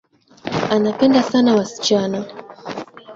Anapenda sana wasichana